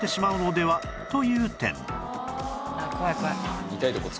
はい。